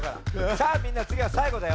さあみんなつぎがさいごだよ。